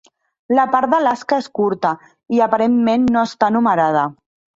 La part d'Alaska és curta, i aparentment no està numerada.